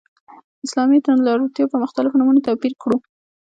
اسلامي توندلاریتوب په مختلفو نومونو توپير کړو.